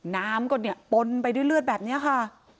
น้ำก็เนี่ยปนไปด้วยเลือดแบบนี้ค่ะ